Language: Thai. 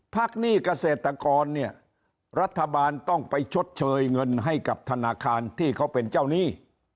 หนี้เกษตรกรเนี่ยรัฐบาลต้องไปชดเชยเงินให้กับธนาคารที่เขาเป็นเจ้าหนี้